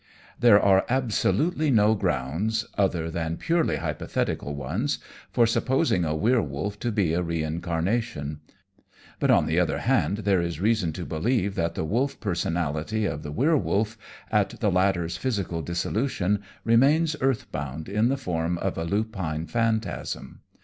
There are absolutely no grounds, other than purely hypothetical ones, for supposing a werwolf to be a reincarnation; but on the other hand there is reason to believe that the wolf personality of the werwolf, at the latter's physical dissolution, remains earthbound in the form of a lupine phantasm.